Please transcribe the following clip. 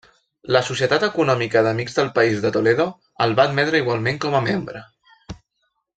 La Societat Econòmica d'Amics del País de Toledo el va admetre igualment com membre.